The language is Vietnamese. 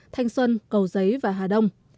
thanh xuân cầu giấy và hà đông